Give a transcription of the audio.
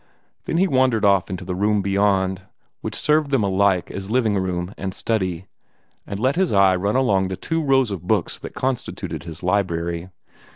Then he wandered off into the room beyond, which served them alike as living room and study, and let his eye run along the two rows of books that constituted his library.